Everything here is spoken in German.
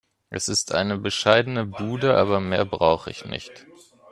Es ist eine bescheidene Bude, aber mehr brauche ich nicht.